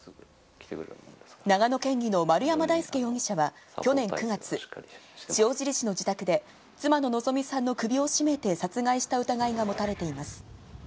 長野県議の丸山大輔容疑者は、去年９月、塩尻市の自宅で、妻の希美さんの首を絞めて殺害した疑いが持たれています。